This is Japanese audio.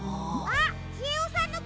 あっ！